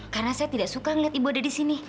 karena saya tidak suka melihat ibu ada di sini